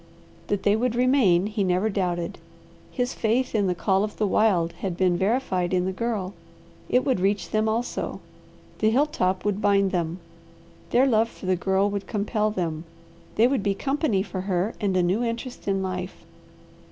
That they would remain he never doubted. His faith in the call of the wild had been verified in the Girl; it would reach them also. The hill top would bind them. Their love for the Girl would compel them. They would be company for her and a new interest in life.